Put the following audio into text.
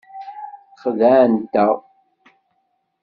Xedɛent-aɣ.